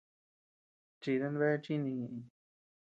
Chidan bea chíni ñeʼëñ.